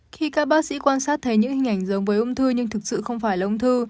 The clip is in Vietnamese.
khi các bác sĩ quan sát thấy những hình ảnh giống với ung thư nhưng thực sự không phải là ung thư